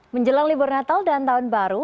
menjelang libur natal dan tahun baru